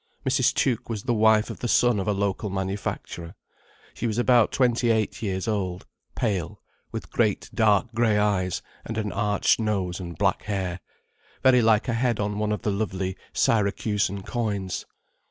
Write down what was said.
Mrs. Tuke was the wife of the son of a local manufacturer. She was about twenty eight years old, pale, with great dark grey eyes and an arched nose and black hair, very like a head on one of the lovely Syracusan coins.